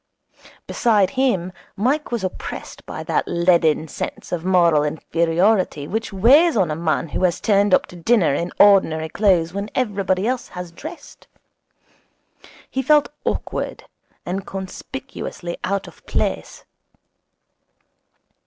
Beside him Mike was oppressed by that leaden sense of moral inferiority which weighs on a man who has turned up to dinner in ordinary clothes when everybody else has dressed. He felt awkward and conspicuously out of place.